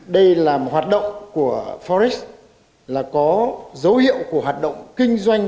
đây là một hoạt động của forex là có dấu hiệu của hoạt động kinh doanh